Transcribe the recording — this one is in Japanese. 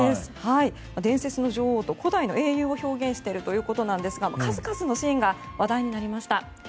伝説の女王と古代の英雄を表現しているということなんですが数々のシーンが話題にあんりました。